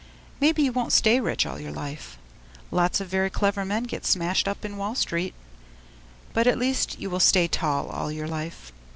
Maybe you won't stay rich all your life; lots of very clever men get smashed up in Wall Street. But at least you will stay tall all your life!